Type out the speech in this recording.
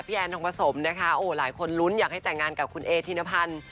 แอนทองผสมนะคะโอ้หลายคนลุ้นอยากให้แต่งงานกับคุณเอธินพันธ์